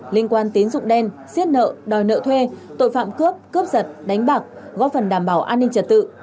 liên quan tín dụng đen xiết nợ đòi nợ thuê tội phạm cướp cướp giật đánh bạc góp phần đảm bảo an ninh trật tự